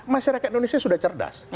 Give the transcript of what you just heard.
masyarakat indonesia sudah cerdas